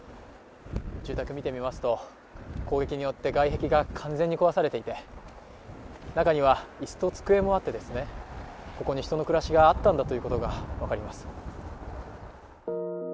住宅を見てみますと攻撃によって外壁が完全に壊されていて中には椅子と机もあって、ここに人の暮らしがあったんだということが分かります。